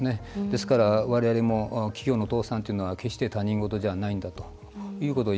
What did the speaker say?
ですから、われわれも企業の倒産というのは決して他人事ではないということを